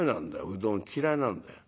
うどん嫌いなんだよ。